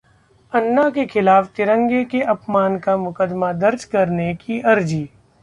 अन्ना के खिलाफ तिरंगे के अपमान का मुकदमा दर्ज करने की अर्जी